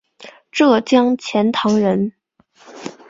浙江钱塘人。